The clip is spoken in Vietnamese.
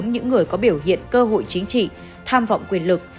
những người có biểu hiện cơ hội chính trị tham vọng quyền lực